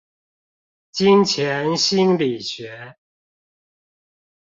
金錢心理學